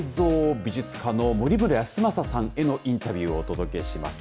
美術科の森村泰昌さんへのインタビューをお届けします。